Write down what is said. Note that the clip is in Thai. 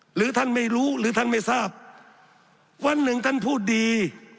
หรือท่านไม่รู้หรือท่านไม่ทราบวันหนึ่งท่านพูดดี